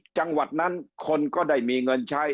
จังหวัดนั้นคนก็ได้มีเงินใช้